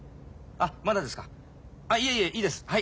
あっいえいえいいです。